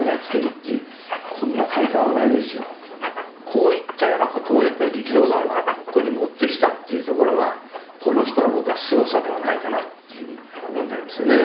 こういったようなことをやっぱり力道山はここに持ってきたっていうところがこの人の僕はすごさではないかなっていうふうに思うんでありますよね。